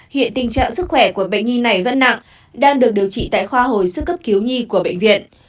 hiện tình trạng sức khỏe của bệnh nhi này vẫn nặng đang được điều trị tại khoa hồi sức cấp cứu nhi của bệnh viện